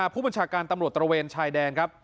พบัชชกรรมลวรเศรษฐ์ตะระเวนชายแดง